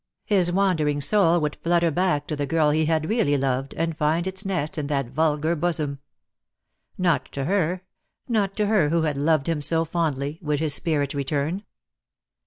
His wan dering soul would flutter back to the girl he had really loved, and find its nest in that vulgar bosom. Not to her, not to her who had loved him so fondly, would his spirit return.